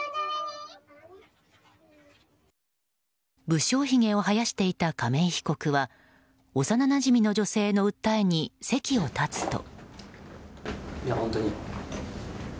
無精ひげを生やしていた亀井被告は幼なじみの女性の訴えに席を立つと。